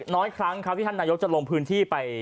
น้อยครั้งครับที่ท่านนายกจะลงพื้นที่ไป